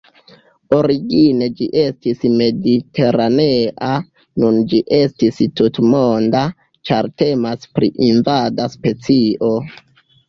Origine ĝi estis mediteranea, nun ĝi estis tutmonda, ĉar temas pri invada specio.